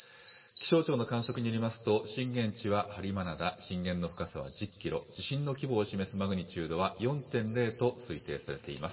気象庁の観測によりますと、震源地は播磨灘、震源の深さは１０キロ、地震の規模を示すマグニチュードは４．０と推定されています。